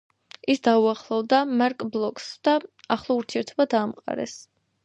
ის დაუახლოვდა მარკ ბლოკს და ახლო ურთიერთობა დაამყარეს.